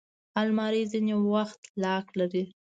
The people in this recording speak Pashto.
الماري ځینې وخت لاک لري